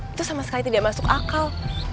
itu sama sekali tidak masuk akal